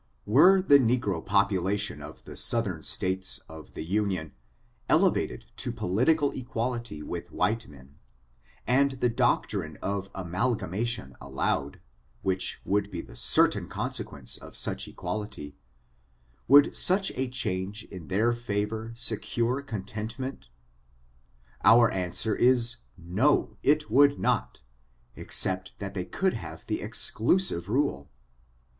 Were the negro population of the southern states of the Union elevated to political equality with white men, and the doctrine of amalgamation allowed, which would be the certain consequence of such equality, would such a change in their favor secure contentment ? our answer is, no, it would not, except they could have the exclusive rule.